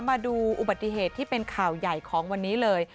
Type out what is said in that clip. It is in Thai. มาดูอุบัติเหตุที่เป็นข่าวใหญ่ของวันนี้เลย